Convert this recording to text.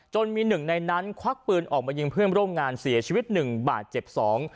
หนึ่งในนั้นควักปืนออกมายิงเพื่อนร่วมงานเสียชีวิตหนึ่งบาดเจ็บสอง